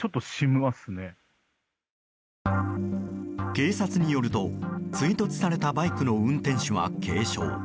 警察によると追突されたバイクの運転手は軽傷。